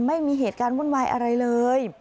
ไม่มีเหตุการณ์วุ่นวายอะไรเลย